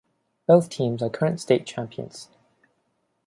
Both teams are current state champions.